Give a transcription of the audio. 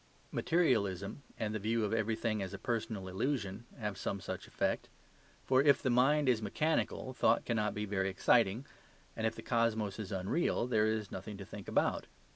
Materialism and the view of everything as a personal illusion have some such effect; for if the mind is mechanical, thought cannot be very exciting, and if the cosmos is unreal, there is nothing to think about.